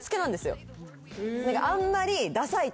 あんまり。